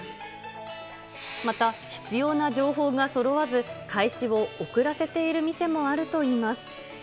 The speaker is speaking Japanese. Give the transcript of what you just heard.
また、必要な情報がそろわず、開始を遅らせている店もあるといいます。